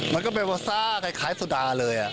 มันก็เป็นวาซ่าคล้ายโซดาเลย